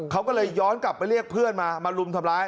เขาก็เลยย้อนกลับไปเรียกเพื่อนมามารุมทำร้าย